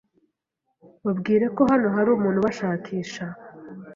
Babwire ko hano hari umuntu ubashakisha.